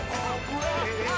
えっ！